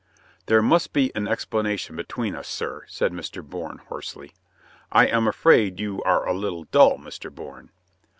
"There must be an explanation between us, sir," said Mr. Bourne hoarsely. "I am afraid you are a little dull, Mr. Bourne."